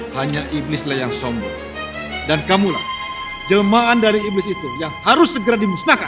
hanya iblislah yang sombong dan kamulah jelmaan dari iblis itu yang harus segera dimusnahkan